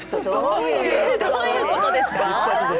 どういうことですか？